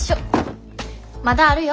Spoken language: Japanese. まだあるよ。